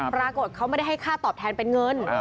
ปรากฏเขาไม่ได้ให้ค่าตอบแทนเป็นเงิน